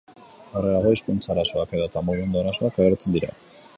Aurrerago, hizkuntza arazoak edota mugimendu-arazoak agertzen dira.